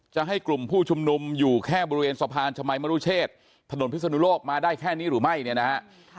จะให้กลุ่มผู้ชุมนุมอยู่แค่บริเวณสะพานชมัยมรุเชษถนนพิศนุโลกมาได้แค่นี้หรือไม่เนี่ยนะฮะ